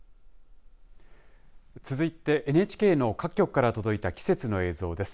続いてＮＨＫの各局から届いた季節の映像です。